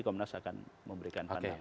komnas akan memberikan pandangan